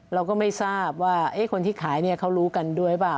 เราก็ไม่ทราบว่าคนที่ขายเขารู้กันด้วยเปล่า